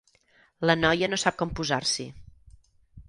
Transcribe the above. La noia no sap com posar-s'hi.